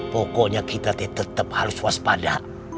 pokoknya kita tetap harus waspada